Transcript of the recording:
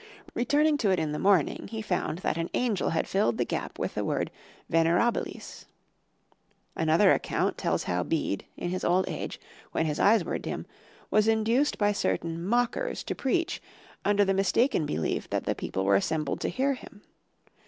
Returning to it in the morning, he found that an angel had filled the gap with the word "venerabilis." Another account tells how Bede, in his old age, when his eyes were dim, was induced by certain "mockers" to preach, under the mistaken belief that the people were assembled to hear him.